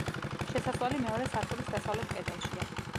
შესასვლელი მეორე სართულის დასავლეთ კედელშია.